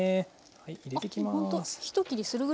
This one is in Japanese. はい入れてきます。